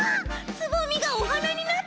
つぼみがおはなになった！